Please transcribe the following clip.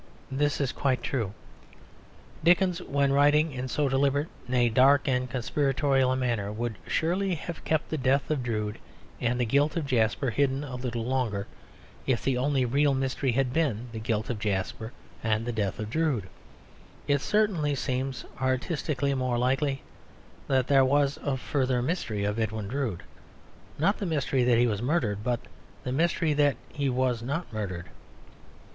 This is quite true; Dickens, when writing in so deliberate, nay, dark and conspiratorial a manner, would surely have kept the death of Drood and the guilt of Jasper hidden a little longer if the only real mystery had been the guilt of Jasper and the death of Drood. It certainly seems artistically more likely that there was a further mystery of Edwin Drood; not the mystery that he was murdered, but the mystery that he was not murdered.